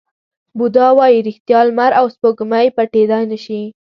بودا وایي ریښتیا، لمر او سپوږمۍ پټېدای نه شي.